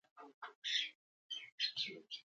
غول د زیږون وروسته بدلېږي.